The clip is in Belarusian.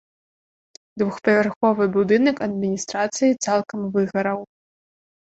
Двухпавярховы будынак адміністрацыі цалкам выгараў.